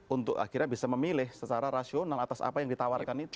untuk akhirnya bisa memilih secara rasional atas apa yang ditawarkan itu